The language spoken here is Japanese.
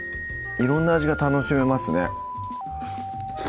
色んな味が楽しめますね